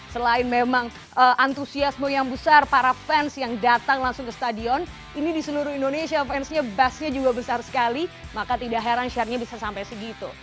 selain memang antusiasme yang besar para fans yang datang langsung ke stadion ini di seluruh indonesia fansnya base nya juga besar sekali maka tidak heran share nya bisa sampai segitu